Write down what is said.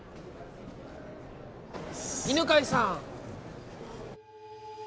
・犬飼さん。